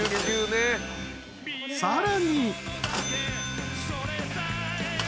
［さらに］